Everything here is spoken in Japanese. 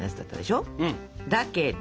だけど。